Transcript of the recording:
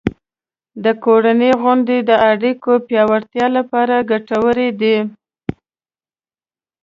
د کورنۍ غونډې د اړیکو پیاوړتیا لپاره ګټورې دي.